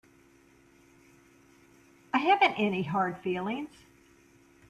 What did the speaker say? I haven't any hard feelings.